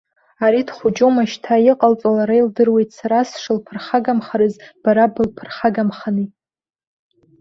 Ари дхәыҷума шьҭа, иҟалҵо лара илдыруеит, сара сшылԥырхагамхарыз, бара былԥырхагамхани.